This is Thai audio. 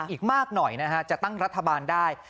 อีกมากหน่อยนะฮะจะตั้งรัฐบาลได้